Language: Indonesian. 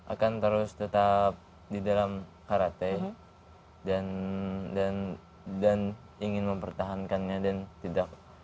akan terus tetap di dalam karate dan dan ingin mempertahankannya dan tidak